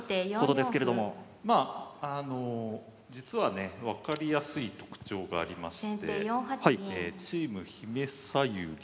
まあ実はね分かりやすい特徴がありましてチームひめさゆり。